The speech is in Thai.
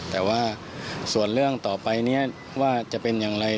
แต่ว่าส่วนเรื่องต่อไปนี้ว่าจะเป็นอย่างไร